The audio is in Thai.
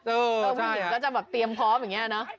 น้องผู้หญิงก็จะเตรียมพร้อมอย่างนี้